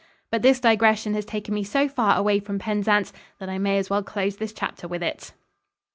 But this digression has taken me so far away from Penzance that I may as well close this chapter with it.